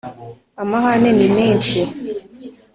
Amahane ni menshi.